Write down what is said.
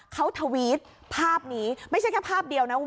เขาทวีดภาพนี้ไม่ใช่แค่ภาพเดียวนะอุปสรง